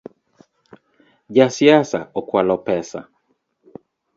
Ja siasa okwalo pesa.